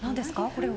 これは。